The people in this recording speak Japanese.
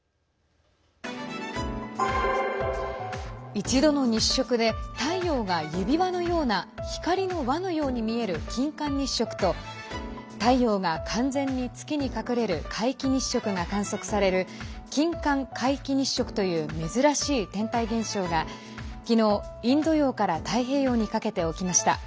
一度の日食で太陽が指輪のような光の輪のように見える金環日食と太陽が完全に月に隠れる皆既日食が観測される金環皆既日食という珍しい天体現象がきのう、インド洋から太平洋にかけて起きました。